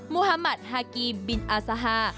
มุฮามัติฮากีมบินอาซาฮา